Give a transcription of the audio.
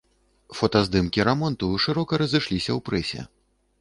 Фотаздымкі рамонту шырока разышліся ў прэсе.